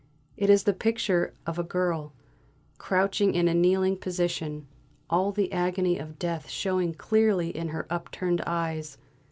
It is the picture of a girl, crouching in a kneeling position, all the agony of death showing clearly in her upturned eyes.